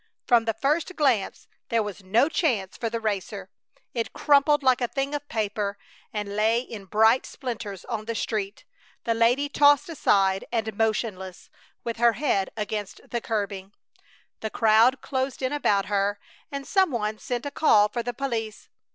From the first glance there was no chance for the racer. It crumpled like a thing of paper and lay in bright splinters on the street, the lady tossed aside and motionless, with her head against the curbing. The crowd closed in about her, and some one sent a call for the police.